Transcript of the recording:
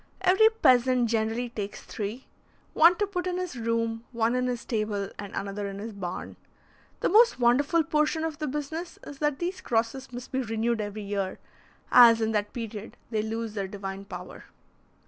Every peasant generally takes three: one to put in his room, one in his stable, and another in his barn. The most wonderful portion of the business is that these crosses must be renewed every year, as in that period they lose their divine power.